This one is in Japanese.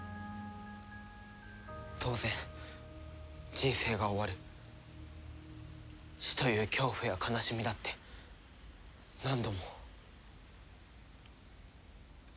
当然人生が終わる死という恐怖や悲しみだって何度も。